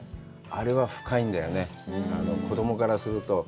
あれは深いんだよね、子供からすると。